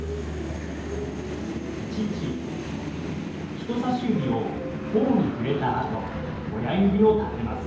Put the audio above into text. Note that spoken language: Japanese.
人さし指をほおに触れた後親指を立てます。